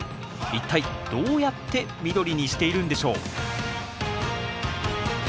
一体どうやって緑にしているんでしょう？